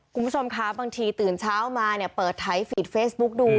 คุณผู้ชมครับบางทีตื่นเช้ามาเปิดไทท์ฟีดเฟซบุ๊คดู